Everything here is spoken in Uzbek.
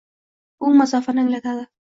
U masofani anglatadi